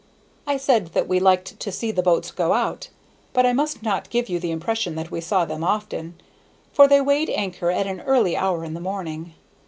I said that we liked to see the boats go out, but I must not give you the impression that we saw them often, for they weighed anchor at an early hour in the morning.